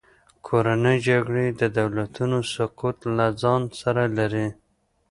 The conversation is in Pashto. کورنۍ جګړې د دولتونو سقوط له ځان سره لري.